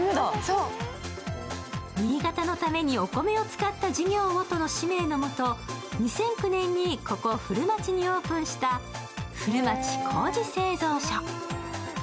新潟のためにお米を使った事業をとの使命のもと、２００９年にここ古町にオープンした古町糀製造所。